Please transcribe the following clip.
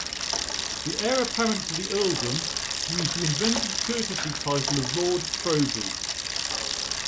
The heir apparent to the earldom used the invented courtesy title of "Lord Proby".